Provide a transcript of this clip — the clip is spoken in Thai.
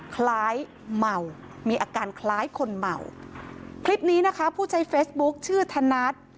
คล้ายเมามีอาการคล้ายคนเมาคลิปนี้นะคะผู้ใช้เฟซบุ๊คชื่อธนัด